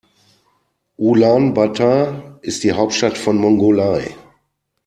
Ulaanbaatar ist die Hauptstadt von Mongolei.